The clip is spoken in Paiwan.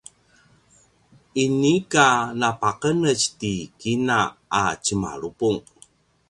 inika napaqenetj ti kina a tjemalupung